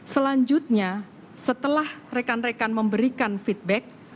selanjutnya setelah rekan rekan memberikan feedback